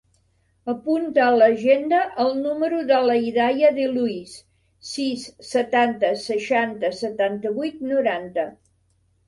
Apunta a l'agenda el número de la Hidaya De Luis: sis, setanta, seixanta, setanta-vuit, noranta.